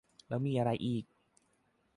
แล้วมีอะไรอีก